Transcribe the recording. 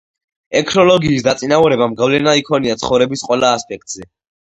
ექნოლოგიის დაწინაურებამ გავლენა იქონია ცხოვრების ყველა ასპექტზე